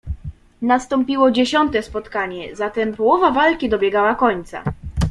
"Nastąpiło dziesiąte spotkanie, zatem połowa walki dobiegała końca."